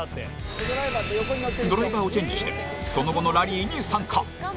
ドライバーをチェンジしてその後のラリーに参加。